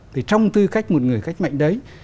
thì trong tư cách một người cách mệnh đấy